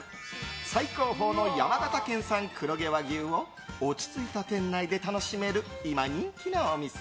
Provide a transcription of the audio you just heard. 最高峰の山形県産黒毛和牛を落ち着いた店内で楽しめる、今人気のお店。